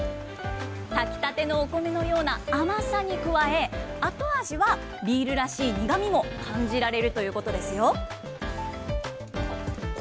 炊きたてのお米のような甘さに加え、後味はビールらしい苦みも感じられるということですよ。